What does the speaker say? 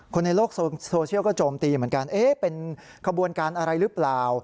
คนในโลกโซเชียลก็โจมตีเหมือนกันเป็นขบวนการอะไรหรือเปล่า